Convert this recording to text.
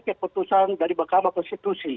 keputusan dari mahkamah konstitusi